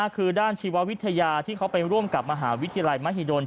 คือด้านชีววิทยาที่เขาไปร่วมกับมหาวิทยาลัยมหิดล